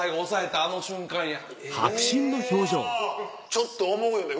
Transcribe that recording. ちょっと思うよね